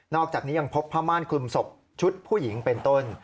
อกจากนี้ยังพบผ้าม่านคลุมศพชุดผู้หญิงเป็นต้น